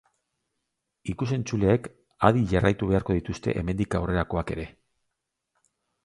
Ikus-entzuleek adi jarraitu beharko dituzte hemendik aurrerakoak ere.